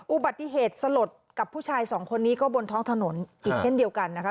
อุบัติเหตุสลดกับผู้ชายสองคนนี้ก็บนท้องถนนอีกเช่นเดียวกันนะคะ